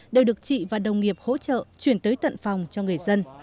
đều được chị và đồng nghiệp hỗ trợ chuyển tới tận phòng cho người dân